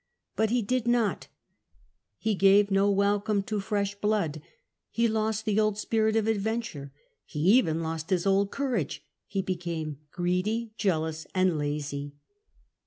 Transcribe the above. But he did not; he gave no welcome to fresh blood ; he lost the old spirit of adventure ; he even lost his old courage; he became greedy, jealous, and lazy.